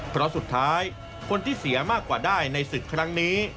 เพราะสุดท้ายคนที่เสียมากกว่าได้ในศึกครั้งนี้